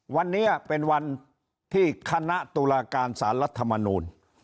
วันนี้เป็นวันที่คณะตุลาการสารรัฐมนูล